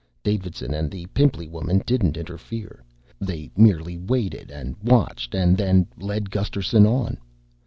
Davidson and the pimply woman didn't interfere. They merely waited and watched and then led Gusterson on.